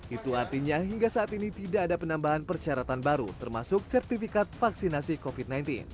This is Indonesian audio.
itu artinya hingga saat ini tidak ada penambahan persyaratan baru termasuk sertifikat vaksinasi covid sembilan belas